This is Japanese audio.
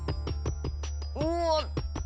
うわっ。